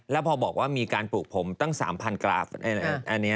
แล้วพอบอกว่ามีการปลูกผมตั้ง๓๐๐กราฟ